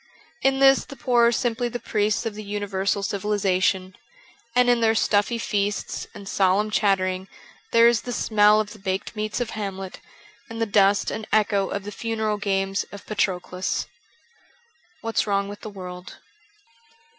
In this the poor are simply the priests of the universal civilization ; and in their stuffy feasts and solemn chattering there is the smell of the baked meats of Hamlet and the dust and echo of the funeral games of Patroclus. ' What 's Wrong with the World.'